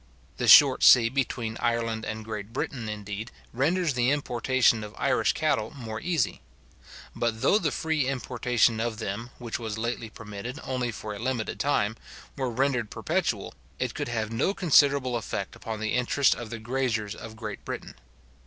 The short sea between Ireland and Great Britain, indeed, renders the importation of Irish cattle more easy. But though the free importation of them, which was lately permitted only for a limited time, were rendered perpetual, it could have no considerable effect upon the interest of the graziers of Great Britain.